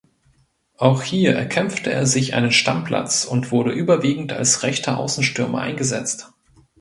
Auch hier erkämpfte er sich einen Stammplatz und wurde überwiegend als rechter Außenstürmer eingesetzt.